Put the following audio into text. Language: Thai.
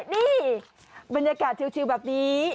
นี่บรรยากาศชิวแบบนี้